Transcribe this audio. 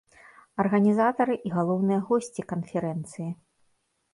Арганізатары і галоўныя госці канферэнцыі.